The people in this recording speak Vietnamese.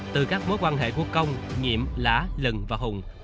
từ các mối quan hệ của công nhiệm lã lần và hùng